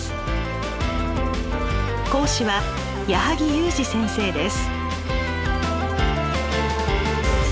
講師は矢作裕滋先生です。